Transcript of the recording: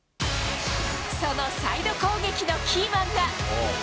そのサイド攻撃のキーマンが。